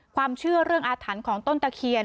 ความเชื่อเรื่องอาถรรพ์ของต้นตะเคียน